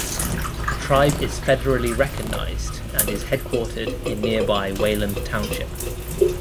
The tribe is federally recognized and is headquartered in nearby Wayland Township.